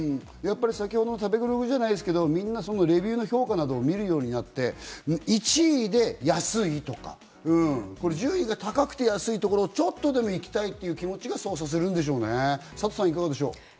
先ほどの食べログじゃないですけど、レビューの評価などをみんなが見るようになって、１位で安いとか、順位が高くて安いところ、ちょっとでも行きたいという気持ちがそうさせるんでしょうね、サトさん。